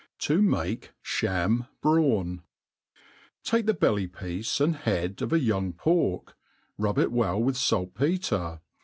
To make Sham Brawn. TAKE the belly piece, and head of a young pork, rub it well with falt petre.